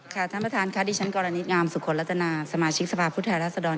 ท่านประธานค่ะดิฉันกรณิตงามสุขลัตนาสมาชิกสภาพผู้แทนรัศดร